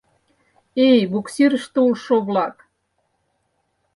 — Эй, буксирыште улшо-влак!